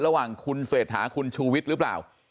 ระหว่างคุณเศรษฐาคุณชูวิทย์หรือเปล่า